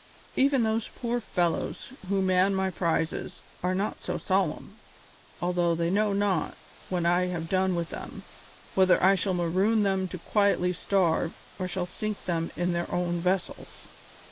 Even those poor fellows who man my prizes are not so solemn, although they know not, when I have done with them, whether I shall maroon them to quietly starve or shall sink them in their own vessels."